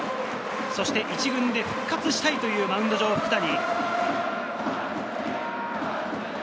そして１軍で復活したいという、マウンド上の福谷。